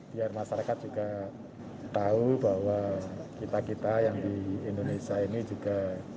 biar masyarakat juga tahu bahwa kita kita yang di indonesia ini juga